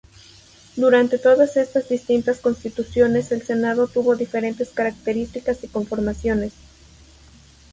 Durante todas estas distintas constituciones el Senado tuvo diferentes características y conformaciones.